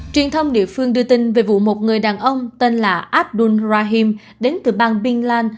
truyền thông địa phương đưa tin về vụ một người đàn ông tên là abdul rahim đến từ bang bin lan